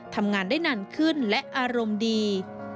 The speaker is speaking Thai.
ทำงานได้นานขึ้นและอารมณ์ดี